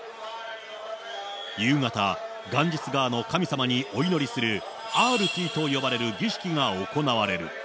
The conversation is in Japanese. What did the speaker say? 夕方、ガンジス川の神様にお祈りするアールティーと呼ばれる儀式が行われる。